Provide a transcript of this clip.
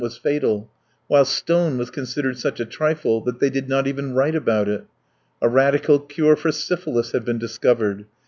was fatal; while stone was considered such a trifle that they did not even write about it. A radical cure for syphilis had been discovered.